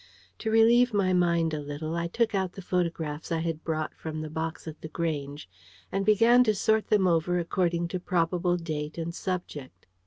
To relieve my mind a little, I took out the photographs I had brought from the box at The Grange, and began to sort them over according to probable date and subject.